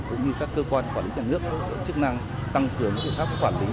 cũng như các cơ quan quản lý cả nước chức năng tăng cường các cơ quan quản lý